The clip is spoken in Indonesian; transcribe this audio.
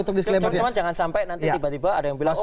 cuman cuman jangan sampai nanti tiba tiba ada yang bilang